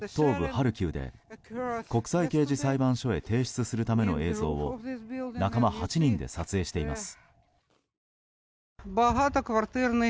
ハルキウで国際刑事裁判所へ提出するための映像を仲間８人で撮影しています。